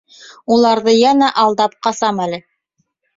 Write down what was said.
Уларҙы йәнә алдап ҡасам әле.